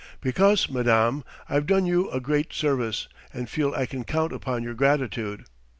"Because, madame, I've done you a great service, and feel I can count upon your gratitude."